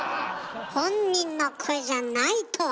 本人の声じゃないとは！